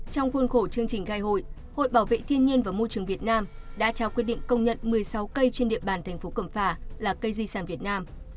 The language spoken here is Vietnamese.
trong khuôn khổ chương trình gai hội hội bảo vệ thiên nhiên và môi trường việt nam đã trao quyết định công nhận một mươi sáu cây trên địa bàn thành phố cẩm phả là cây di sản việt nam